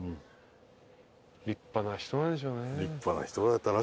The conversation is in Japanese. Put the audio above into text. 立派な人なんでしょうね。